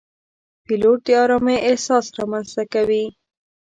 پیلوټ د آرامۍ احساس رامنځته کوي.